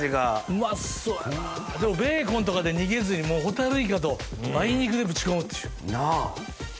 うまそうやなぁでもベーコンとかで逃げずにホタルイカと梅肉でぶち込むっちゅう。なぁ！